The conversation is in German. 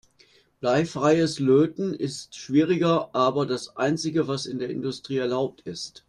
Bleifreies Löten ist schwieriger, aber das einzige, was in der Industrie erlaubt ist.